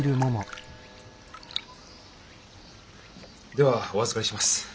ではお預かりします。